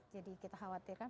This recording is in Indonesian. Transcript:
jadi kita khawatirkan